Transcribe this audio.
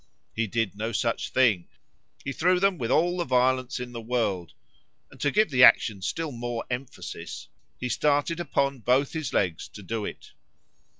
——He did no such thing;——he threw them with all the violence in the world;—and, to give the action still more emphasis,—he started upon both his legs to do it.